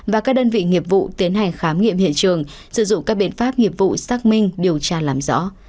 và các đơn vị nghiệp vụ tiến hành khám nghiệm hiện trường sử dụng các biện pháp nghiệp vụ xác minh điều tra làm rõ